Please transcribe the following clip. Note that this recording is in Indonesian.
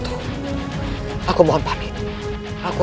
tidak ada masalah